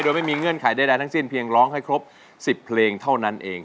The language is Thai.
โดยไม่มีเงื่อนไขใดทั้งสิ้นเพียงร้องให้ครบ๑๐เพลงเท่านั้นเอง